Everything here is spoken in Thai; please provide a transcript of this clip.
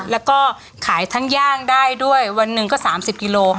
แล้วก็ขายทั้งย่างได้ด้วยวันหนึ่งก็๓๐กิโล